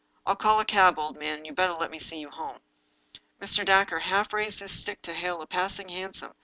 " I'll call a cab, old man, and you'd better let me see you home." Mr. Dacre half raised his stick to hail a passing hansom.